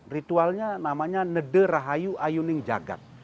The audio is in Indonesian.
ritualnya namanya nederahayu ayuning jagad